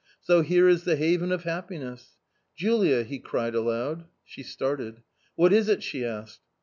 So here is the haven of happi ness — Julia !" he cried aloud. She started. • "What is it?" she asked.